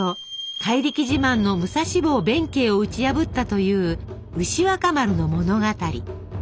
怪力自慢の武蔵坊弁慶を打ち破ったという牛若丸の物語。